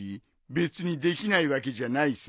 別にできないわけじゃないさ。